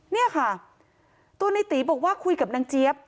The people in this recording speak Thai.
เนี่ยค่ะตัวในตีบอกว่าคุยกับนางเจี๊ยบ